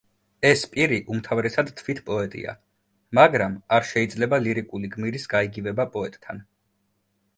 ეს პირი უმთავრესად თვით პოეტია, მაგრამ არ შეიძლება ლირიკული გმირის გაიგივება პოეტთან.